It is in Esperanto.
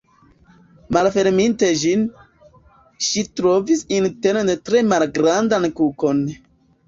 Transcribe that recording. Malferminte ĝin, ŝi trovis interne tre malgrandan kukon.